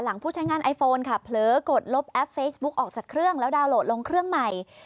ผู้ใช้งานไอโฟนค่ะเผลอกดลบแอปเฟซบุ๊กออกจากเครื่องแล้วดาวนโหลดลงเครื่องใหม่